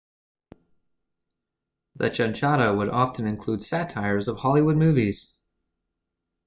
The "chanchada" would often include satires of Hollywood movies.